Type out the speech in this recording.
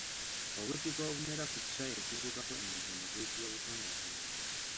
Obutiko obumera ku kiswa ekibuukako entunda buyitibwa obutundatunda.